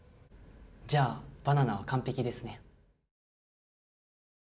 じゃあバナナはカンペキですね。